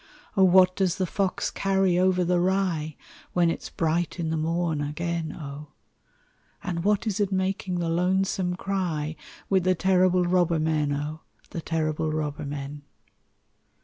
O ! what does the fox carry over the rye When it's bright in the morn again, O! And what is it making the lonesome cry With the terrible robber men, O! The terrible robber men.